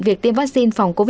việc tiêm chủng cho trẻ